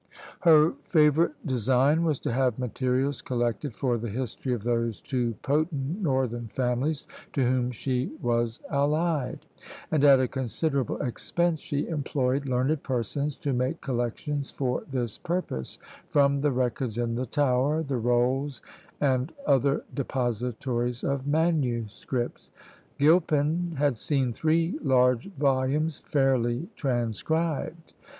Her favourite design was to have materials collected for the history of those two potent northern families to whom she was allied; and at a considerable expense she employed learned persons to make collections for this purpose from the records in the Tower, the Rolls, and other depositories of manuscripts: Gilpin had seen three large volumes fairly transcribed.